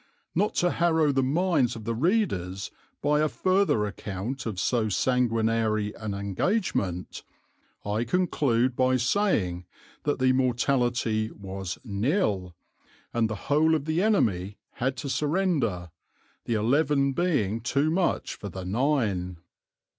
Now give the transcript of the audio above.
Not to harrow the minds of the readers by a further account of so sanguinary an engagement, I conclude by saying that the mortality was nil, and the whole of the enemy had to surrender, the eleven being too much for the nine.